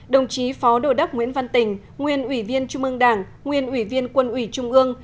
bốn đồng chí phó đô đắc nguyễn văn tình nguyên ủy viên trung mương đảng nguyên ủy viên quân ủy trung ương